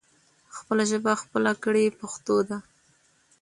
خپله ژبه خپله کړې پښتو ده.